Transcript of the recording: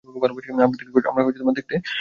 আমরা দেখতে পাচ্ছি।